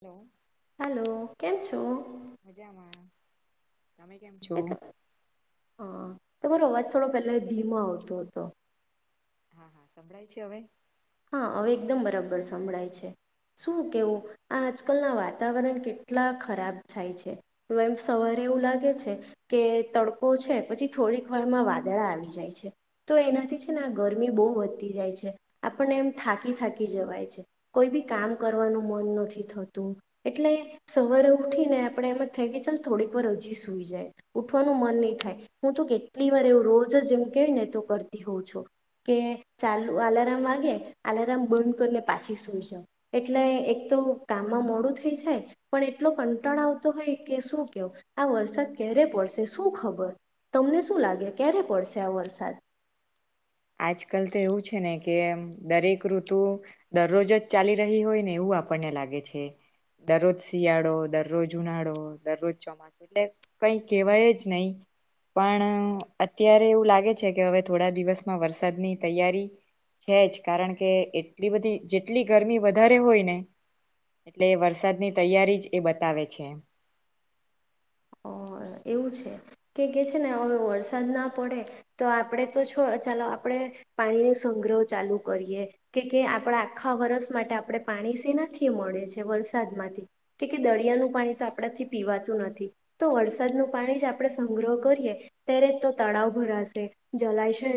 Hello. Hello કેમ છો? મજામાં તમે કેમ છો? એ ત- અ, તમારો અવાજ થોડો પેલે ધીમો આવતો હતો. હા હા સંભળાય છે હવે. હા હવે એકદમ બરાબર સંભળાય છે. શું કેવું આ આજકાલના વાતાવરણ કેટલા ખરાબ થાય છે. તો એમ સવારે એવું લાગે છે, કે તડકો છે પછી થોડીક વારમાં વાદળા આવી જાય છે, તો એનાથી છે ને આ ગરમી બહુ વધતી જાય છે. આપણને એમ થાકી-થાકી જવાય છે કોઈ બી કામ કરવાનું મન નથી થતું એટલે સવારે ઉઠીને આપણે એમાં થઈ કે ચાલ થોડીક વાર હજી સુઈ જાય ઉઠવાનું મન નહી થાય. હું તો કેટલી વાર એવું રોજ જ એમ કે ને તો કરતી હોઉં છું કે ચાલુ આલારામ વાગ વાગે આલારમ બંધ કરીને પાછી સુઈ જાવ એટલે એક તો કામમાં મોડું થઈ જાય પણ એટલો કંટાળો આવતો હોય કે શું કેવુ આ વરસાદ ક્યારે પડશે શું ખબર તમને શું લાગે ક્યારે પડશે આ વરસાદ. આજકાલ તો એવું છે ને કેમ એમ દરેક ઋતુ દરરોજ જ ચાલી રહી હોય ને એવું આપણને લાગે છે. દરરોજ શિયાળો, દરરોજ ઉનાળો, દરરોજ ચોમાસો અને કંઈ કેવાયજ નહિ પણ અત્યારે એવુ લાગે છે કે હવે થોડા દિવસ માં વરસાદની તૈયારી છે જ કારણ કે એટલી બધી જેટલી ગરમી બધારે હોય ને એટલે એ વરસાદની ત્યારી જ એ બતાવે છે. એવું છે કે કે છે ને હવે વરસાદ ના પડે તો આપણે તો છો ચાલો આપણે પાણી ન સંગ્રહ ચાલુ કરીએ કે કે આપણા આખા વર્ષ માટે આપણે પાણી સેના થી મળે છે વરસાદ માંથી કે દરિયાનું પાણી તો આપણાથી પીવાતું નથી તો વરસા વરસાદનું પાણી જે આપણે સંગ્રહ કરીએ ત્યારે તો તળાવ ભરાશે જલાશય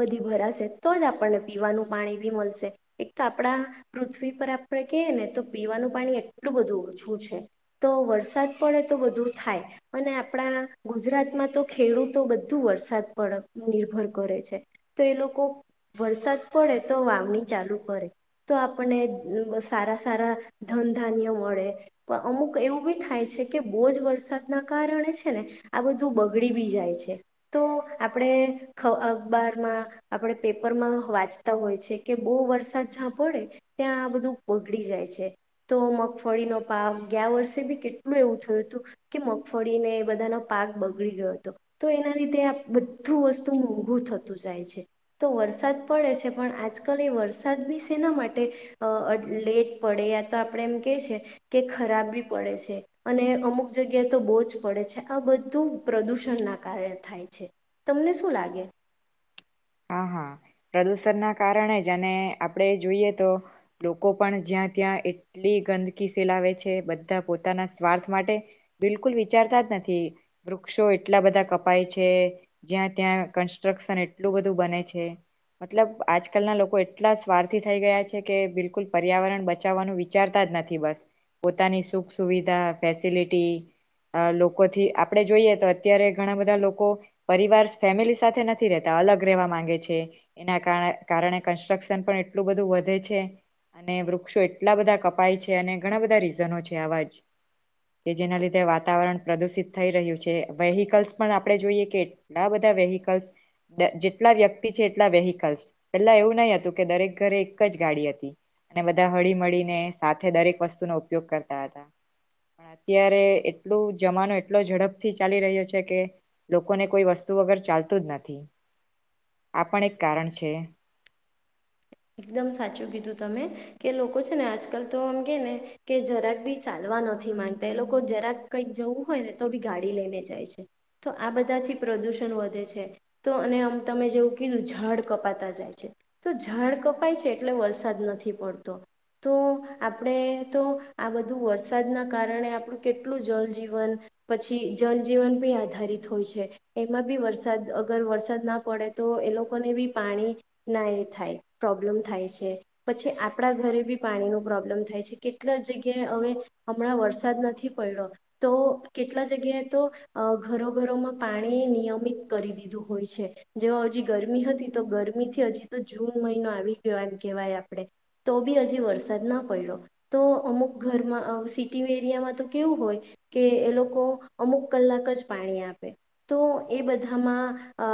બધી ભરાશે તો જ આપણને પીવાનું પાણી બી મળશે એક તો આપણા પૃથ્વી પર આપણે કહી ને તો પીવાનું પાણી એટલું બધું ઓછું છે તો વરસાદ પડે તો બધું થાય અને આપણા ગુજરાતમાં તો ખેડૂતો બધું વરસાદ પડે નિર્ભર કરે છે તો એ લોકો વરસાદ પડે તો વાવણી ચાલુ કરે તો આપણને સારા સારા ધનધાન્ય મળે અમુક એવું બી થાય છે કે બહુજ વરસા વરસાદના કારણે છે ને આ બધું બગડી બી જાય છે. તો આપણે ખ અખબારમાં આપણે પેપરમાં વાંચતા હોય છે, કે બહુ વરસાદ જ્યાં પડે ત્યાં આ બધું બગડી જાય છે. તો મગફળીનો ભાવ ગ્યા વર્ષે બી કેટલું એવું થયું હતું. કે મગફળીને એ બધાનો પાક બગડી ગયો હતો તો, એના લીધે આ બધું વસ્તુ મોંઘું થતું જાય છે તો વરસાદ પડે છે. પણ આજકાલ એ વરસાદ બી શેના માટે અ લેટ પડે યા તો આપણે એમ કે છે કે ખરાબ બી પડે છે. અને અમુક જગ્યા તો બહુ જ પડે છે. આ બધું પ્રદુષણ ના કારણે થાય છે તમને શું લાગે? હા-હા પ્રદુષણના કારણે જ અને આપણેે જોઈએ તો લોકો પણ જ્યાં ત્યાં એટલી ગંદકી ફેલાવે છે. બધા પોતાના સ્વાર્થ માટે બિલકુલ વિચારતા જ નથી. વૃક્ષો એટલા બધા કપાય છે. જ્યાં ત્યાં કન્સ્ટ્રક્શન એ એટલું બધું બને છે મતલબ આજકાલના લોકો એટલા સ્વાર્થી થઈ ગયા છે કે બિલકુલ પર્યાવરણ બચાવવાનું વિચારતા જ નથી બસ પોતાની સુખ, સુવિધા, ફેસિલિટી લોકોથી આપણે જોઈએ તો અત્યારે ઘણા બધા લોકો પરિવારસ ફેમિલી સાથે નથી રહેત અલગ રહેવા માંગે છે એના કાર કારણે કન્સ્ટ્રક્શન પણ એટલું બધું વધે છે અને વૃક્ષો એટલા બધા કપાય છે અને ઘણા બધા રીઝનો છે આવા જ કે જેના લીધે વાતાવરણ પ્રદુષિત થઈ રહ્યું છે વેહિકલ્સ પણ આપણે જોઈએ કે ધણા બધા વેહિકલ્સ દ જેટલા વ્યક્તિ છે એટલા વેહિકલ્સ પેલા એવું નહિ હતું કે દરેક ઘરે એક જ ગાડી હતી અને બધા હળી મળળીને સાથે દરેક વસ્તુનો ઉપયોગ કરતા હતા પણ અત્યારે એટલો જમાનો એટલો ઝડપથી ચાલી રહ્યો છે કે લોકોને કોઈ વસ્તુ વગર ચાલતું જ નથી. આ પણ એક કારણ છે. એકદમ સાચું કીધું તમે, કે લોકો છે ને આજકાલ તો આમ કે ને કે જરાક બી ચાલવા નથી માનતા એ લોકો જરાક કઈક જવું હોય ને તો બી ગાડી લઈને જાય છે. તો આ બધાથી પ્રદુષણ વધે છે તો અને આમ તમે જેવું કીધું ઝાડ કપાતા જાય છે તો ઝાડ કપાય છે એટલે વરસાદ નથી પડતો તો આપણે તો આ બધું વરસાદના કારણે આપણું કેટલું જલજીવન પછી જનજીવન બી આધારિત હોય છે. એમાં બી વરસાદ અગર વરસાદ ના પડે તો એ લોકોને બી પાણી ના એ થાય. પ્રોબ્લેમ થાય છે. પછી આપણા ઘરે બી પાણીનો પ્રોબ્લેમ થાય છે કેટલા જગ્યાએ હવે હમણાં વરસાદ નથી પડ્યો તો કેટલા જગ્યાએ તો અ ઘરો ઘરોમાં પાણી નિયમિત કરી દીધું હોય છે જેવ હજી ગરમી હતી તો ગરમીથી હજી તો જૂન મહિનો આવી ગયો એમ કહેવાય આપણે તો બી હજી વરસાદ ના પડ્યો તો અમુક ઘરમાં અ સિટી એરિયામાં તો કેવું હોય કે એ લોકો અમુક કલાક જ પાણી આપે તો એ બધામાં અ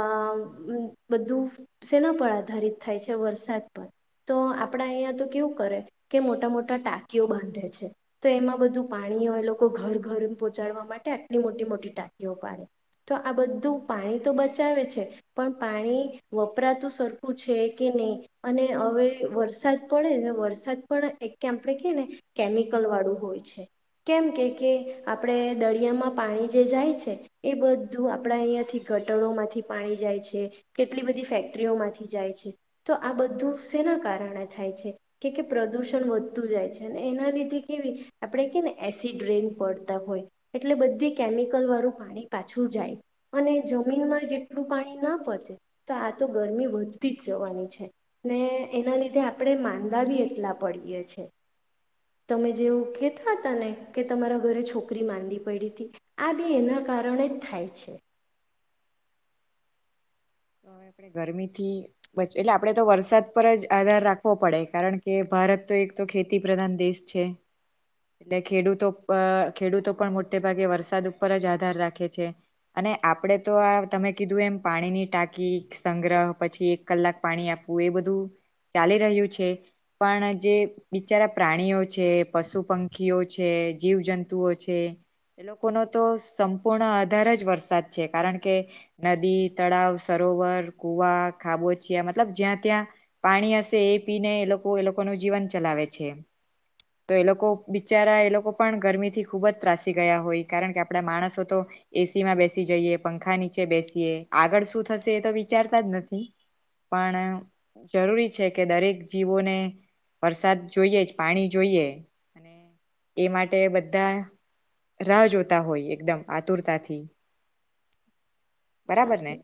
બધું સેના પર આધારિત. થાય છે વરસાદ પર તો આપણા અહીંયા તો કેવું કરે કે મોટા મોટા ટાંકીઓ બાંધે છે તો એમાં બધું પાણી હોય લોકો ઘર ઘરે પહોંચાડવા માટે આટલી મોટી-મોટી ટાંકીઓ પાડે તો આ બધું પાણી તો બચાવે છે પણ પાણી વપરાતું સરખું છે કે નહીં અને હવે વરસાદ પડે ને વરસાદ પણ એક કે આપણે ક ને કેમિકલ વાળું હોય છે કેમ કે કે આપણે દરિયામાં પાણી જે જાય છે એ બધું આપણા અહીંયાથી ગટરોમાંથી પાણી જાય છે કેટલી બધી ફેક્ટરીઓમાંથી જાય છે. તો આ બધું શેના કારણે થાય છે કે કે પ્રદૂષણ વધતું જાય છે અને એના લીધે કેવી આપણે કે ને એસિડ રેન પડતા હોય એટલે બધી કેમિકલ વાળું પાણી પાછું જાય અને જમીનમાં જેટલું પાણી ના પોંચે તો આ તો ગરમી વધતી જ જવાની. છે ને એના લીધે આપણે માંદા બી એટલા પડીએ છે. તમે જેવું કેહેતા હતા ને કે તમારા ઘરે છોકરી માંદી પૈડી તી આ બી એના કારણે જ થાય છે. ગરમીથી એટલે આપડે તો વરસાદ પર જ આધાર રાખવો પડે કારણ કે ભારત તો એક તો ખેતી પ્રધાન દેશ છે એટલે ખેડૂતો પ ખેડૂતો પણ મોટે ભાગે વરસાદ ઉપર જ આધાર રાખે છે અને આપણેે તો આ તમે કીધું એમ પાણીની ટાંકી કી સંગ્રહ પછી એક કલાક પાણી આપવું એ બધું ચાલી રહ્યું છે પણ જે બિચારા પ્રાણીઓ છે પશુ, પંખીઓ છે, જીવજંતુઓ છે એ લોકોનો તો સંપૂર્ણ આધાર જ વરસાદ છે કારણ કે નદી તળાવ સરોવર, કુવા, ખાબોચિયા મતલબ જ્યાં ત્યાં પાણી હશે એ પીને એ લોકો એ લોકોનું જીવન ચલાવે છે તો એ લોકો બિચારા એ લોકો પણ ગરમીથી ખુબ જ ત્રાસી ગયા હોય કારણ કે આપડા માણસો તો એસીમાં બેસી જઈએ પંખા નીચે બેસીએ આગળ શું થ થશે એ તો વિચારતા જ નથી પણ જરૂરી છે કે દરેક જીવોને વરસાદ જોઈએ જ પાણી જોઈએ એ માટે બધા રાહ જોતા હોય એકદમ આતુરતાથી. બરાબર સાચું ને.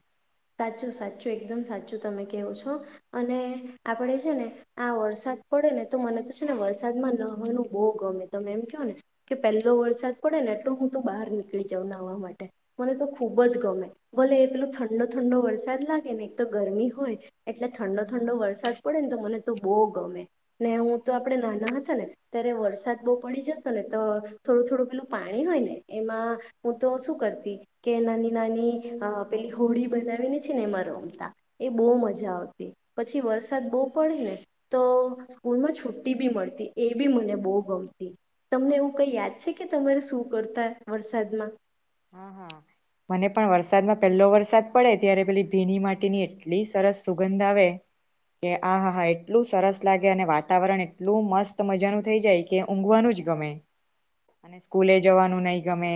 સાચું સાચું એકદમ સાચું તમે કેહો છો અને આપડે છે ને આ વરસાદ પડે ને તો મને તો છે ને વરસાદમાં નાહવાનું બહુ ગમે તમે એમ કયો ને કે પહેલો વરસાદ પડે ને એટલો હું તો બહાર નીકળી જાવ નાહવા માટે મને તો ખૂબ જ ગમે. ભલે એ પેલું ઠંડો ઠંડો વરસાદ લાગે ને એક તો ગરમી હોય એટલે ઠંડો-ઠંડો વરસાદ પડે ને તો મને તો બહુ ગમે ને હું તો આપડે નાના હતા ને ત્યારે વરસાદ બહુ પડી જતો ને તો થોડું થોડું પેલું પાણી હોય ને એમાં હું તો શું કરતી કે નાની-નાની અ પેલી હોડી બનાવીને છે ને એમાં રમતા એ બહુ મજા આવતી પછી વરસાદ બહુ પડે ને તો સ્કૂલમાં છુટ્ટી બી મળતી એ બી મને બહુ ગમતી તમને એવું કઈ યાદ છે કે તમારે શું કરતા વરસાદમાં. હા હા મને પણ વરસાદમાં પહેલો વરસાદ પડે ત્યારે પેલી ભીની માટીની એટલી સરસ સુગંધ આવે કે આ હા એટલું સરસ લાગે અને વાતાવરણ એટલું મસ્ત મજાનું થઈ જાય કે ઊંઘવાનું જ ગમે અને સ્કૂલે જવાનું નહિ ગમે.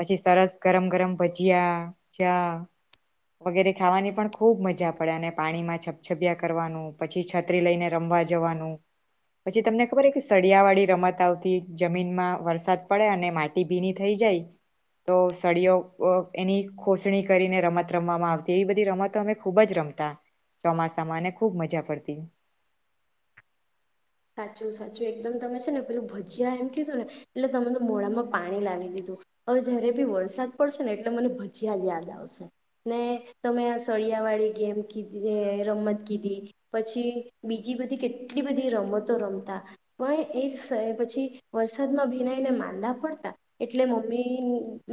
પછી સરસ ગરમ ગરમ ભજીયા ચા વગેરે ખાવાની પણ ખૂબ મજા પડે અને પાણીમાં છપછપિયા કરવાનું પછી છત્રી લઈને રમવા જવાનું પછી તમને ખબર કે સળિયાવાળી રમત આવતી જમીનમાં વરસાદ પડે અને માટી ભીની થઈ જાય તો સળીઓ અ એની ખોસણી કરીને રમત રમવામાં આવતી એવી બધી રમતો અમે ખૂબ જ રમતા ચોમાસામાં અને ખૂબ મજા પડતી. સાચું-સાચું એકદમ તમે છે ને પેલું ભજીયા એમ કીધું ને એટલે તમે તો મોડામાં પાણી લાવી દીધું હવે જયારે બી વરસાદ પડશે ને એટલે મને ભજીયા જ યાદ આવશે ને તમે આ સળિયા વાળી ગેમ કીધી એ રમત કીધી પછી બીજી બધી કેટલી બધી રમત રમતો રમતા વાંહે એ પછી વરસાદમાં ભીનાઈને માંદા પડતા એટલે મમ્મી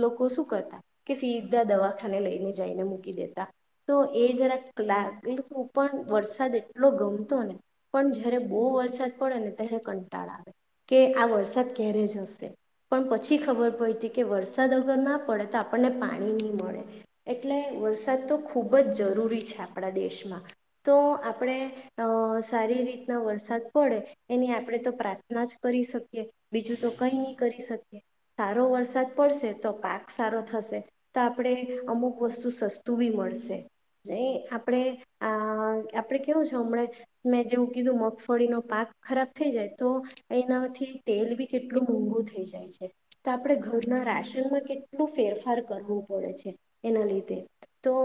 લોકો શું કરતા કે સીધા દવાખાને લઈને જઈને મૂકી દેતા તો એ જરા લાગી ઉપર પણ વરસાદ એટલો ગમતો ને પણ જયારે બો વરસાદ પડે ને ત્યારે કંટાળ આવે કે આ વરસાદ ક્યારે જ હશે પણ પછી ખબર પડી તી કે વરસાદ અગર ના પડે તો આપણને પાણી ની મળે એટલે વરસાદ તો ખૂબ જ જરૂરી છે આપણા દેશમાં તો આપણે અ સારી રીતના વરસાદ પડે એની આપણે તો પ્રાર્થના જ કરી શકીએ બીજું તો કઈ નહી કરી શકીએ સારો વરસાદ પડશે તો પાક સારો થશે તો આપણે અમુક વસ્તુ સસ્તું બી મળશે જે આપણે આ આપણે કેવું છે હમણાં મેં જેવું કીધું મગફળીનો પાક ખરાબ થઈ જાય તો એનાથી તેલ બી કેટલું મોંઘું થઈ જાય છે તો આપણે ઘરના રાશનમાં કેટલું ફેરફાર કરવું પડે છે એના લીધે તો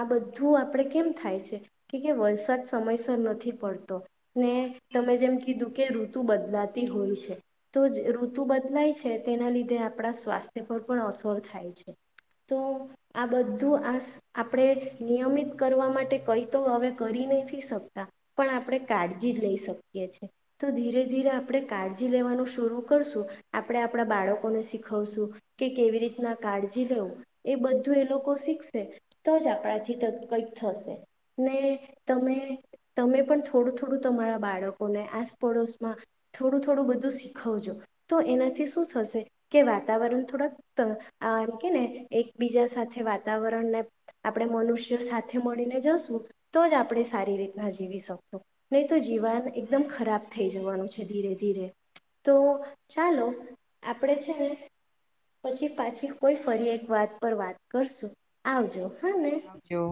આ બધું આપણે કેમ થાય છે કે વરસાદ સમયસર નથી પડતો ને તમે જેમ કીધું કે ઋતુ બદલાતી હોય છે તો ઋતુ બદલાય છે તેના લીધે આપણા સ્વાસ્થ્ય પર પણ અસર થાય છે તો આ બધું આ આપણે નિયમિત કરવા માટે કઈ તો હવે કરી નથી શકતા પણ આપણે કાળજી જ લઈ શક શકીયે છે. તો ધીરે-ધીરે આપણે કાળજી લેવાનું શરૂ કરશું આપણે આપણા બાળકોને શીખવશું કે કેવી રીતના કાળજી લેવો એ બધું એ લોકો શીખશે તો જ આપણાથી કંઈક થશે ને તમે તમે પણ થોડું-થોડું તમારા બાળકો બાળકોને આસ પડોશમાં થોડું-થોડું બધું શીખવજો તો એનાથી શું થશે કે વાતાવરણ થોડક એમ કે ને એકબીજા સાથે વાતાવરણને આપણે મનુષ્યો સાથે મળીને જશું તો જ આપણે સારી રીતના જીવી શકશું નહી તો જીવાન એકદમ ખરાબ થઈ જવાનું છે ધીરે ધીરે તો ચાલો આપણે છે ને પછી પાછી કોઈ ફરી એક વાત પર વાત કરશું આવજો. હા ને હ જો.